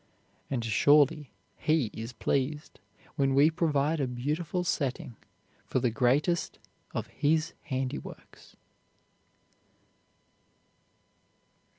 And surely He is pleased when we provide a beautiful setting for the greatest of His handiworks.